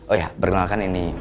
oh ya berlangganan ini